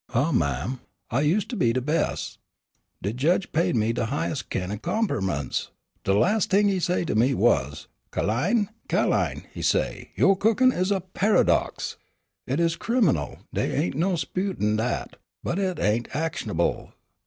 Huh, ma'am, I's used to de bes'. De Jedge paid me de highes' kin' o' comperments. De las' thing he say to me was, 'Ca'line, Ca'line,' he say, 'yo' cookin' is a pa'dox. It is crim'nal, dey ain't no 'sputin' dat, but it ain't action'ble.'